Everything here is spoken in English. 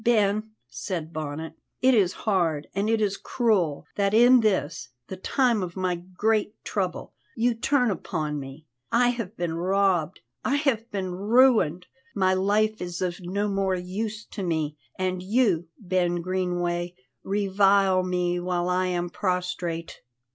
"Ben," said Bonnet, "it is hard and it is cruel, that in this, the time of my great trouble, you turn upon me. I have been robbed; I have been ruined; my life is of no more use to me, and you, Ben Greenway, revile me while that I am prostrate."